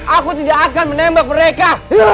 aku tidak akan menembak mereka